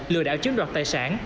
lừa đảo chứng đoạt tài sản